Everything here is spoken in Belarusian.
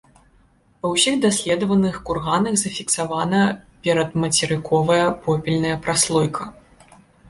Ва ўсіх даследаваных курганах зафіксавана перадмацерыковая попельная праслойка.